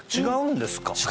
違うんですか？